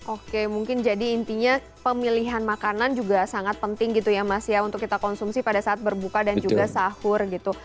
oke mungkin jadi intinya pemilihan makanan juga sangat penting gitu ya mas ya untuk kita konsumsi pada saat berbuka dan juga sahur gitu